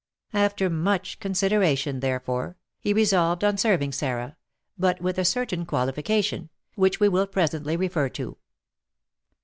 After much consideration, therefore, he resolved on serving Sarah, but with a certain qualification, which we will presently refer to.